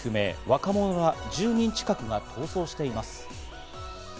若者ら１０人近くが逃走しています。